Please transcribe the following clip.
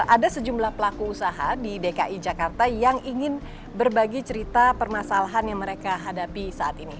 ada sejumlah pelaku usaha di dki jakarta yang ingin berbagi cerita permasalahan yang mereka hadapi saat ini